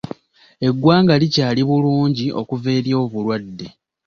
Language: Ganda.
Eggwanga likyali bulungi okuva eri obulwadde.